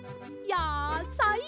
やさい！